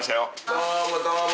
どうもどうも。